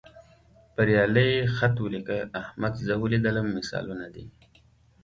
بریالي خط ولیکه، احمد زه ولیدلم مثالونه دي.